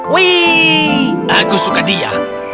wih aku suka dia